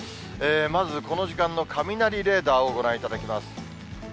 まずこの時間の雷レーダーをご覧いただきます。